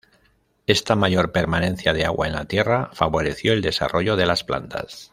Esta mayor permanencia de agua en la tierra favoreció el desarrollo de las plantas.